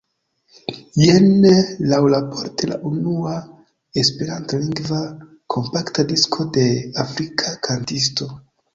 Jen laŭraporte la unua Esperantlingva kompakta disko de afrika kantisto.